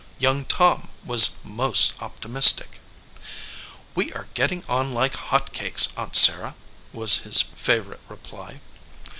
Young Tom was most optimistic. "We are getting on like hot cakes, Aunt Sarah," was his favorite reply.